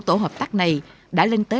tổ hợp tác này đã lên tới